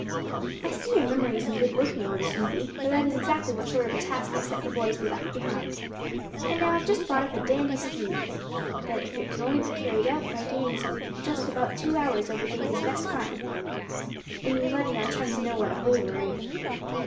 "I see your memory is in good working order, Smithy, for that is exactly what sort of a task I set the boys we left behind. And now, I've just thought up a dandy scheme that if it can only be carried out, may gain us just about two hours over Davy's best time, in letting our chums know what a hole we're in."